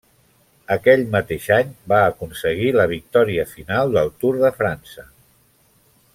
Aquell mateix any va aconseguir la victòria final del Tour de França.